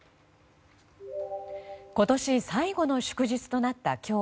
今年最後の祝日となった今日。